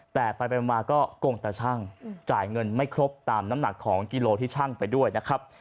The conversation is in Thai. แต่ไปมาก็โกงตาชั่งจ่ายเงินไม่ครบตามน้ำหนักของกิโลที่ชั่งไปด้วยนะครับ